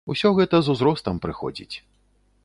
Усё гэта з узростам прыходзіць.